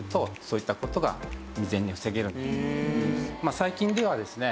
最近ではですね